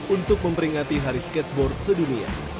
untuk memperingati hari skateboard sedunia